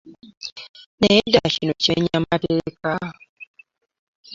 Naye ddala kino kimenya mateeka?